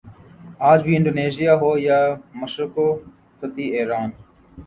آج بھی انڈونیشیا ہو یا مشرق وسطی ایران